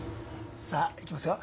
さあいきますよ。